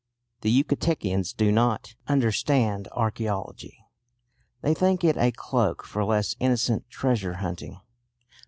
The Yucatecans do not understand archæology; they think it a cloak for less innocent treasure hunting.